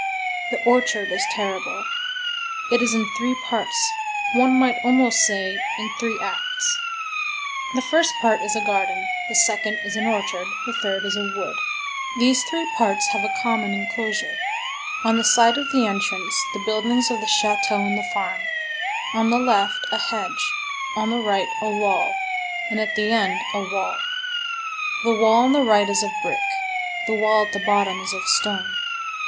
The orchard is terrible. It is in three parts; one might almost say, in three acts. The first part is a garden, the second is an orchard, the third is a wood. These three parts have a common enclosure: on the side of the entrance, the buildings of the château and the farm; on the left, a hedge; on the right, a wall; and at the end, a wall. The wall on the right is of brick, the wall at the bottom is of stone.